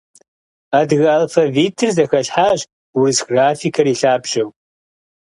Адыгэ алфавитыр зэхэлъхьащ урыс графикэр и лъабжьэу.